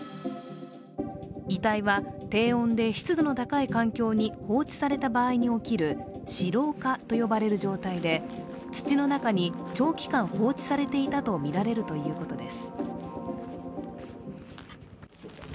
遺体は低温で湿度の高い環境に放置された場合に起きる屍蝋化と呼ばれる状態で、土の中に長期間放置されていたとみられているということです。